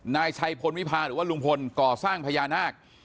นายชัยพลวิพาหรือว่าลุงพลก่อสร้างพญานาค